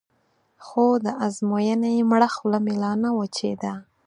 خو د ازموینې مړه خوله مې لا نه وچېده.